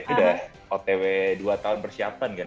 udah otw dua tahun persiapan kan